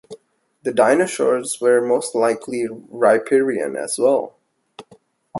The dinosaurs were most likely riparian, as well.